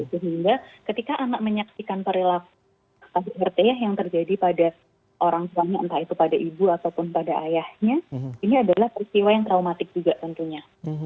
sehingga ketika anak menyaksikan perilaku rt yang terjadi pada orang tuanya entah itu pada ibu ataupun pada ayahnya ini adalah peristiwa yang traumatik juga tentunya